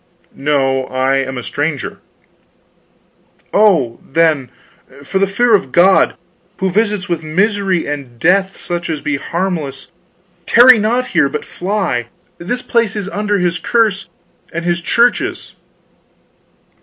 "No, I am a stranger." "Oh, then, for the fear of God, who visits with misery and death such as be harmless, tarry not here, but fly! This place is under his curse and his Church's."